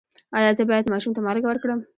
ایا زه باید ماشوم ته مالګه ورکړم؟